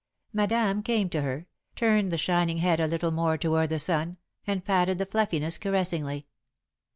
Madame came to her, turned the shining head a little more toward the sun, and patted the fluffiness caressingly.